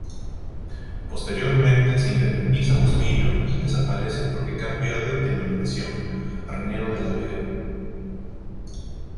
Posteriormente se independiza Bustillo y desaparece porque cambia de denominación: Renedo de la Vega.